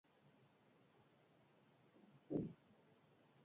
Lurzoru berdea da, arnasten dugun airea garbitzeko gaitasuna baitu.